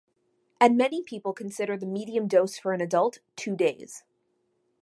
And many people consider the medium dose for an adult two days.